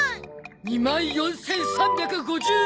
２万４３５５匹！